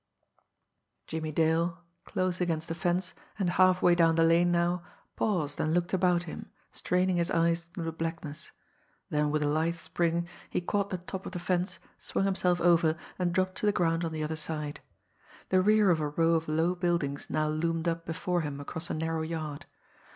Jimmie Dale, close against the fence, and halfway down the lane now, paused and looked about him, straining his eyes through the blackness then with a lithe spring he caught the top of the fence, swung himself over, and dropped to the ground on the other side. The rear of a row of low buildings now loomed up before him across a narrow yard.